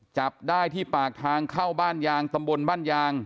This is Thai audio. จับได้ที่ปากทางเข้าบ้านยางตำบลบ้านยาง